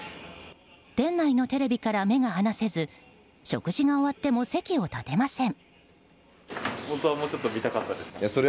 店内のテレビから目が離せず食事が終わっても席を立てません。